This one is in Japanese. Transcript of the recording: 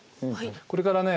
これからね